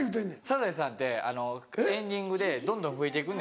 サザエさんってエンディングでどんどん増えて行くんですよ。